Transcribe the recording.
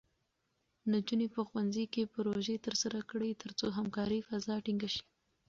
نجونې په ښوونځي کې پروژې ترسره کړي، ترڅو همکارۍ فضا ټینګې شي.